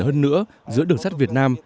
hơn nữa giữa đường sắt việt nam